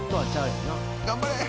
頑張れ！